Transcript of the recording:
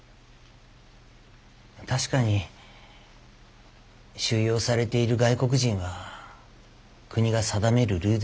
確かに収容されている外国人は国が定めるルールを破った。